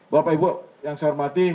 bapak ibu yang saya hormati